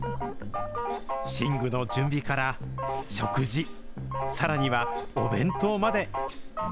寝具の準備から食事、さらにはお弁当まで。